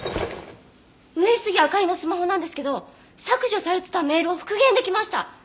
上杉明里のスマホなんですけど削除されてたメールを復元できました！